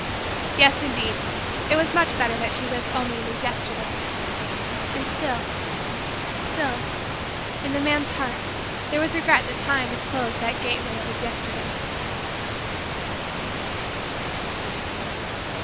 Yes, indeed, it was much better that she lived only in his Yesterdays. And still still in the man's heart there was regret that Time had closed that gateway of his Yesterdays.